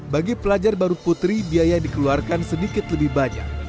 bagi pelajar baru putri biaya yang dikeluarkan sedikit lebih banyak